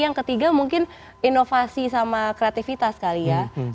yang ketiga mungkin inovasi sama kreativitas kali ya